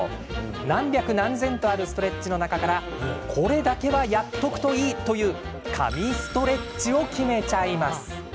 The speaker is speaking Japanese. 何百、何千とあるストレッチの中からこれだけはやっとくといいという「神ストレッチ」を決めちゃいます。